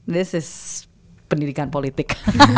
this is pendidikan politik